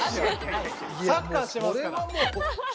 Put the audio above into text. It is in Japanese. サッカーしてますから。